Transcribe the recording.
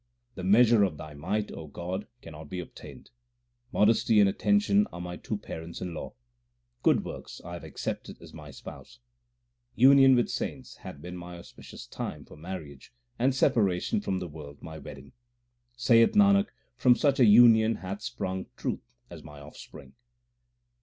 The measure of Thy might, O God, cannot be obtained. Modesty and attention are my two parents in law ; Good works I have accepted as my spouse ; Union with saints hath been my auspicious time for marriage, and separation from the world my wedding. Saith Nanak, from such a union hath sprung truth as my offspring.